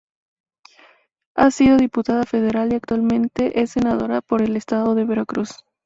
Ha sido diputada federal y actualmente es senadora por el estado de Veracruz.